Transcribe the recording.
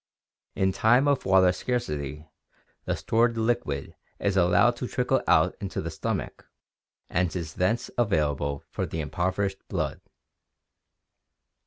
In time of water scarcity the stored liquid is allowed to trickle out into the stomach and is thence available for the impoverished blood.